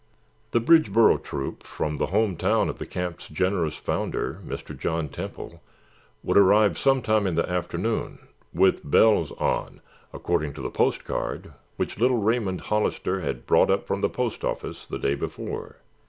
The Bridgeboro Troop, from the home town of the camp's generous founder, Mr. John Temple, would arrive sometime in the afternoon "with bells on" according to the post card which little Raymond Hollister had brought up from the post office the day before.